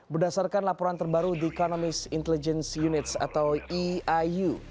berdasarkan laporan terbaru the economist intelligence units atau aiu